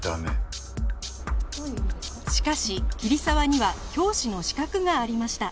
しかし桐沢には教師の資格がありました